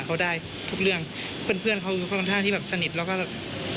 เขาก็ค่อนข้างที่แบบสนิทแล้วก็แบบ